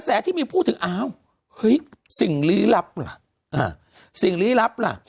ที่มีพูดถึงอ้าวเฮ้ยสิ่งลี้ลับล่ะสิ่งลี้ลับล่ะ